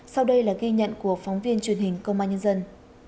sau đây là ghi nhận của phóng viên truyền hình công an nhân dân